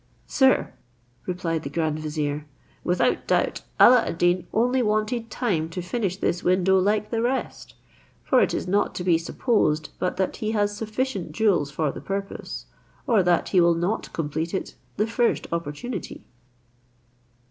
"Sir," replied the grand vizier, "without doubt Alla ad Deen only wanted time to finish this window like the rest; for it is not to be supposed but that he has sufficient jewels for the purpose, or that he will not complete it the first opportunity."